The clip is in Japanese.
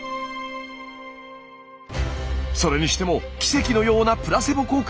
それにしても奇跡のようなプラセボ効果！